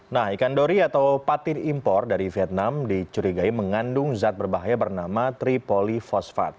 nah ikan dori atau patin impor dari vietnam dicurigai mengandung zat berbahaya bernama tripolifosfat